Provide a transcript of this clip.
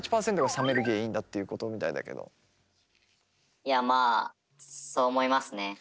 いやまあそう思いますね。